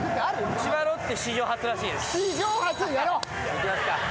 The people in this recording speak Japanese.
いきますか。